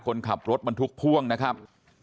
คนขับรถมันถูกพร่องนะครับ